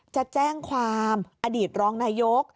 จะแจ้งความอดีตรองนายก